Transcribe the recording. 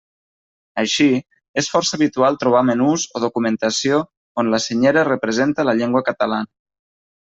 Així, és força habitual trobar menús o documentació on la Senyera representa la llengua catalana.